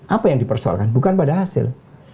apa yang dipersoalkan bukan pada hasil